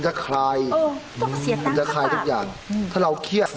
ความสุขภาพแข็งแรงนะมันจะคล้ายต้องเสียตั้งสัตว์ถ้าเราเครียด